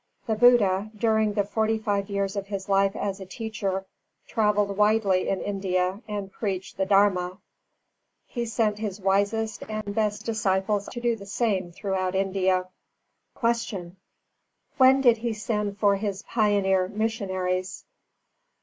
The Buddha, during the forty five years of his life as a Teacher, travelled widely in India and preached the Dharma. He sent his wisest and best disciples to do the same throughout India. 284. Q. _When did He send for his pioneer missionaries?